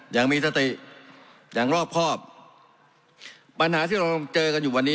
ยังมีสติอย่างรอบครอบปัญหาที่เราเจอกันอยู่วันนี้